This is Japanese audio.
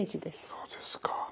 そうですか。